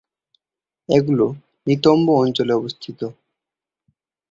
এগুলো নিতম্ব অঞ্চলে অবস্থিত।